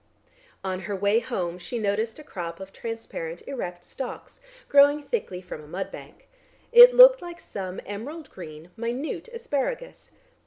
On her way home she noticed a crop of transparent erect stalks growing thickly from a mud bank. It looked like some emerald green minute asparagus.